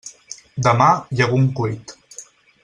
Demà, llegum cuit.